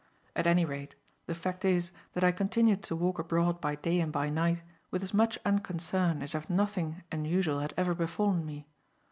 At any rate, the fact is that I continued to walk abroad by day and by night with as much unconcern as if nothing unusual had ever befallen me.